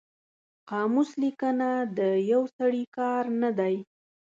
قاموس لیکنه د یو سړي کار نه دی